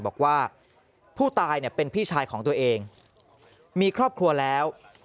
บอกว่าผู้ตายเนี่ยเป็นพี่ชายของตัวเองมีครอบครัวแล้ว